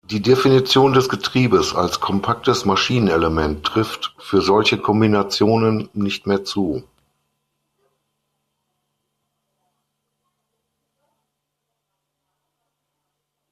Die Definition des Getriebes als kompaktes Maschinenelement trifft für solche Kombinationen nicht mehr zu.